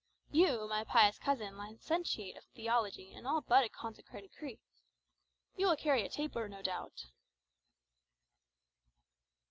You, my pious cousin, licentiate of theology and all but consecrated priest you will carry a taper, no doubt?"